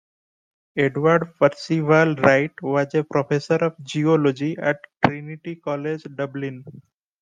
Edward Percival Wright was a professor of Geology at Trinity College Dublin.